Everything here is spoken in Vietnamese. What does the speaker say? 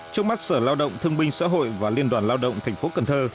trước mắt sở lao động thương binh xã hội và liên đoàn lao động thành phố cần thơ